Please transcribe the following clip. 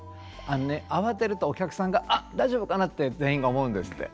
あのね慌てるとお客さんが「あっ大丈夫かな？」って全員が思うんですって。